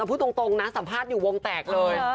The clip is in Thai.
พูดตรงนะสัมภาษณ์อยู่วงแตกเลย